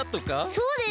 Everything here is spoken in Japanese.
そうです！